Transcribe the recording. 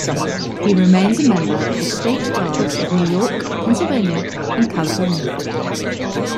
He remains a member of the State Bars of New York, Pennsylvania and California.